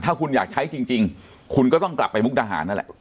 ถ้าคุณอยากใช้จริงคุณก็ต้องกลับไปมุกดาหารนั่นแหละ